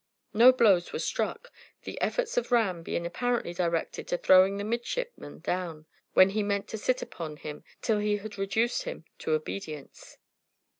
No blows were struck, the efforts of Ram being apparently directed to throwing the midshipman down, when he meant to sit upon him till he had reduced him to obedience.